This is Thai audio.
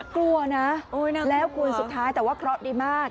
กลัวนะแล้วคุณสุดท้ายแต่ว่าเคราะห์ดีมาก